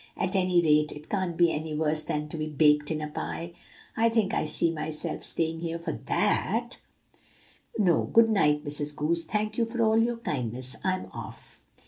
'At any rate, it can't be any worse than to be baked in a pie. I think I see myself staying here for that! No; good night, Mrs. Goose. Thank you for all your kindness; I'm off!